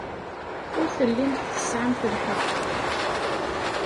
Ur tellimt tesɛamt lḥeqq.